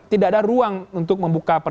tidak ada ruang untuk membuka